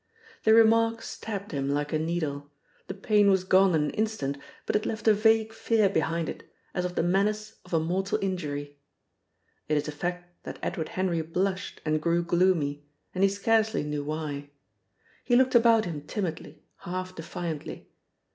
The remark stabbed him like a needle; the pain was gone in an instant, but it left a vague fear behind it, as of the menace of a mortal injury. It is a fact that Edward Henry blushed and grew gloomy, and he scarcely knew why. He looked about him timidly, half defiantly.